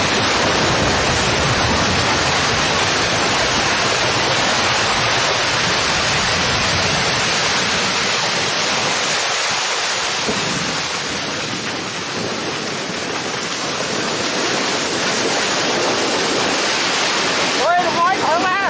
เฮ้ยลงไว้ไทยแล้วมา